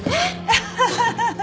アハハハ。